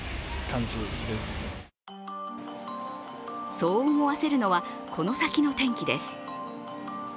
そう思わせるのは、この先の天気です。